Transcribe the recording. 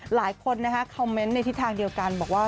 หลายคนคอมเมนต์ในทิศทางเดียวกันบอกว่า